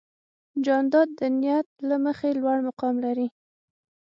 جانداد د نیت له مخې لوړ مقام لري.